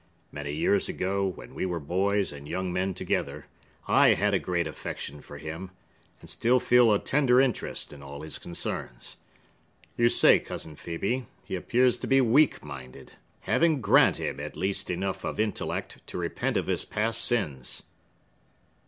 "Many years ago, when we were boys and young men together, I had a great affection for him, and still feel a tender interest in all his concerns. You say, Cousin Phœbe, he appears to be weak minded. Heaven grant him at least enough of intellect to repent of his past sins!"